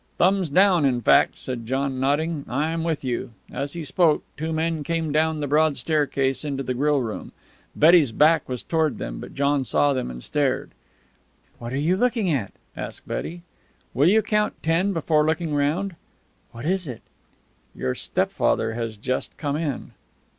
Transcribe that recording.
"Thumbs down, in fact," said John, nodding. "I'm with you." As he spoke, two men came down the broad staircase into the grill room. Betty's back was towards them, but John saw them, and stared. "What are you looking at?" asked Betty. "Will you count ten before looking round?" "What is it?" "Your stepfather has just come in."